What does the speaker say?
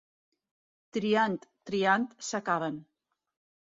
Triant, triant, s'acaben.